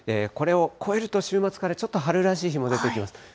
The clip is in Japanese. これを越えると、週末からちょっと春らしい日も出てきます。